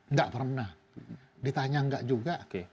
nggak pernah ditanya enggak juga